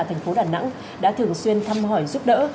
thành phố đà nẵng đã thường xuyên thăm hỏi giúp đỡ